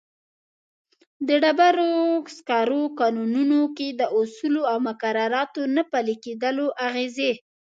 ډبرو سکرو کانونو کې د اصولو او مقرراتو نه پلي کېدلو اغېزې.